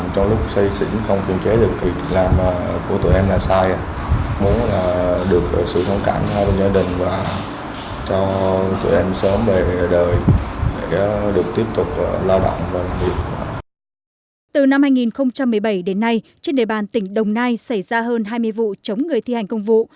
từ năm hai nghìn một mươi bảy đến nay trên đề bàn tỉnh đồng nai xảy ra hơn hai mươi vụ chống người thi hành công vụ